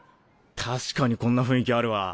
確かにこんな雰囲気あるわ。